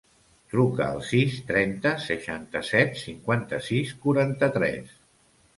Truca al sis, trenta, seixanta-set, cinquanta-sis, quaranta-tres.